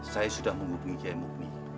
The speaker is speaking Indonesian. saya sudah menghubungi kiai mukmi